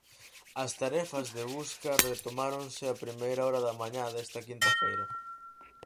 As tarefas de busca retomáronse á primeira hora da mañá desta quinta feira.